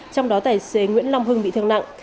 trong đó tài xế nguyễn long hưng bị thương nặng